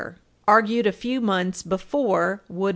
380, argued a few months before Wood v.